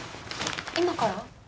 今から？